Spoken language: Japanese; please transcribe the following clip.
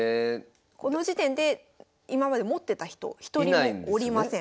この時点で今まで持ってた人一人もおりません。